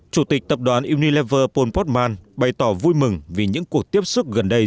chủ tịch tập đoàn unilever paul portman bày tỏ vui mừng vì những cuộc tiếp xúc gần đây